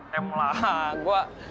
yang satu m lah